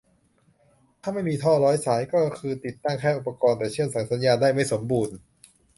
ถ้าไม่มีท่อร้อยสาย ก็คือติดตั้งแต่อุปกรณ์ แต่เชื่อมต่อสายสัญญาณได้ไม่สมบูรณ์